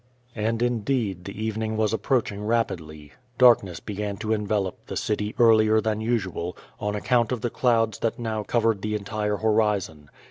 And indeed the evening was approaching rapidly. Dark ness began to envelop the city earlier than usual, on account of the clouds that now covered the entire horizon.